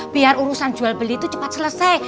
biar urusan jual beli itu cepat selesai